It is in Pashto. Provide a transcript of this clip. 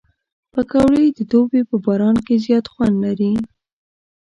پکورې د دوبي په باران کې زیات خوند لري